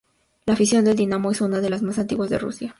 La afición del Dinamo es una de las más antiguas de Rusia.